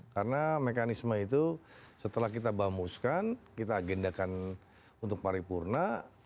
karena mekanisme itu setelah kita bamuskan kita agendakan untuk paripurna